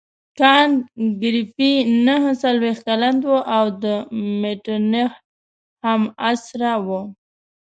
کانت ګریفي نهه څلوېښت کلن وو او د مټرنیخ همعصره وو.